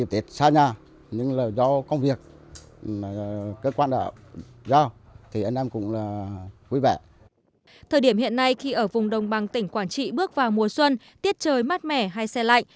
thời điểm hiện nay khi ở vùng đồng bằng tỉnh quảng trị bước vào mùa xuân tiết trời mát mẻ hay xe lạnh